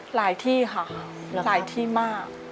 หลายที่ค่ะหลายที่มาก